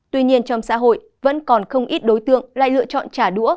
tuy nhiên trong xã hội vẫn còn không ít đối tượng lại lựa chọn trả đũa